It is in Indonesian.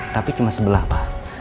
tapi cuma sebelah pak